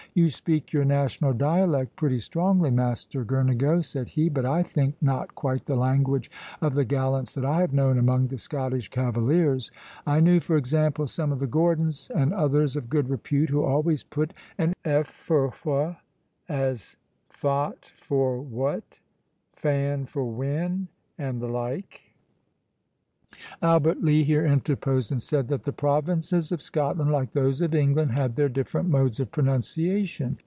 "You speak your national dialect pretty strongly, Master Girnigo," said he, "but I think not quite the language of the gallants that I have known among the Scottish cavaliers—I knew, for example, some of the Gordons, and others of good repute, who always put an f for wh, as faat for what, fan for when, and the like." Albert Lee here interposed, and said that the provinces of Scotland, like those of England, had their different modes of pronunciation.